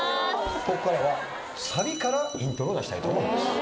ここからはサビからイントロを出したいと思います。